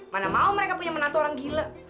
mana mau mereka punya menantu orang gila